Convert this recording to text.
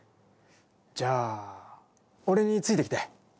じゃあ、俺についてきて。